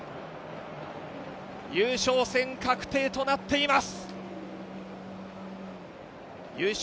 優勝戦確定となっています。